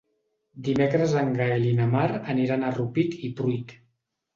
Dimecres en Gaël i na Mar aniran a Rupit i Pruit.